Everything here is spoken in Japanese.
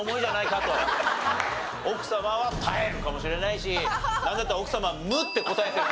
奥様は「耐」かもしれないしなんだったら奥様は「無」って答えてるかもしれない。